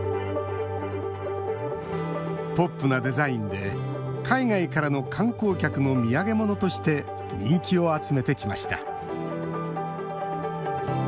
ポップなデザインで海外からの観光客の土産物として人気を集めてきました。